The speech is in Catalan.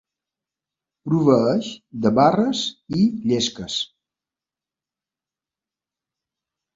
Proveeix de barres i llesques.